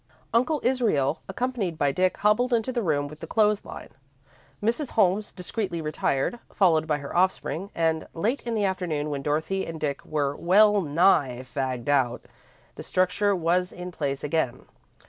Uncle Israel, accompanied by Dick, hobbled into the room with the clothes line. Mrs. Holmes discreetly retired, followed by her offspring, and, late in the afternoon, when Dorothy and Dick were well nigh fagged out, the structure was in place again.